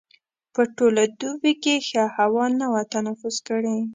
په ټوله دوبي کې ښه هوا نه وه تنفس کړې.